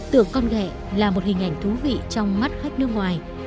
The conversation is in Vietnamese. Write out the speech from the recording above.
tượng con gẹ là một hình ảnh thú vị trong mắt khách nước ngoài